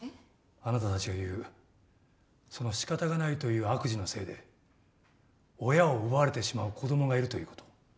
あなたたちが言うそのしかたがないという悪事のせいで親を奪われてしまう子供がいるということ。